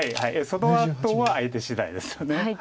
そのあとは相手しだいですよね。